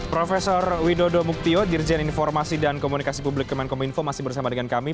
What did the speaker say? prof widodo muktio dirjen informasi dan komunikasi publik kemenkominfo masih bersama dengan kami